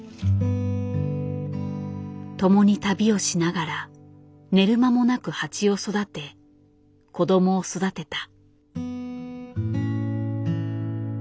共に旅をしながら寝る間もなく蜂を育て子どもを育てた。